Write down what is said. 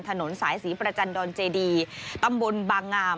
ถนนสายศรีประจันดอนเจดีตำบลบางงาม